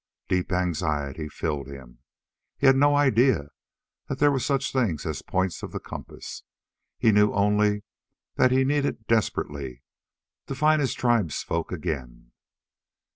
Deep anxiety filled him. He had no idea that there were such things as points of the compass. He knew only that he needed desperately to find his tribesfolk again.